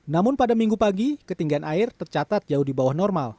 namun pada minggu pagi ketinggian air tercatat jauh di bawah normal